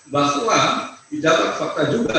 bahwa didapat fakta juga